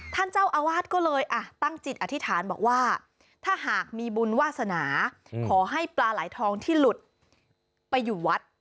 ท่านเจ้าอาวาสก็เลยตั้งจิตอธิษฐานบอกว่าถ้าหากมีบุญวาสนาขอให้ปลาไหลทองที่หลุดไปอยู่วัด